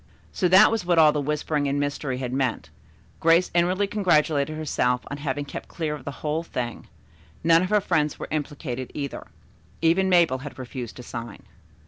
So that was what all the whispering and mystery had meant. Grace inwardly congratulated herself on having kept clear of the whole thing. None of her friends were implicated, either. Even Mabel had refused to sign.